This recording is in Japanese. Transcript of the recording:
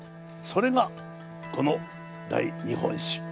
それがこの「大日本史」。